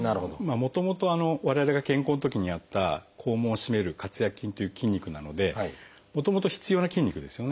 もともと我々が健康なときにあった肛門を締める括約筋という筋肉なのでもともと必要な筋肉ですよね。